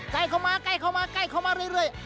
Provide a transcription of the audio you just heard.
ใกล้เขามายเรื่อย